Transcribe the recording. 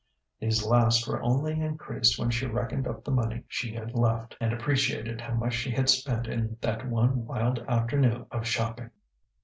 These last were only increased when she reckoned up the money she had left, and appreciated how much she had spent in that one wild afternoon of shopping.